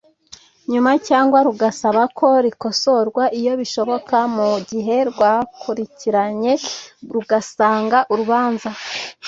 nyuma cyangwa rugasaba ko rikosorwa iyo bishoboka Mu gihe rwakurikiranye rugasanga urubanza